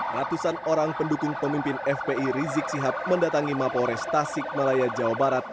ratusan orang pendukung pemimpin fpi rizik sihab mendatangi mapores tasik malaya jawa barat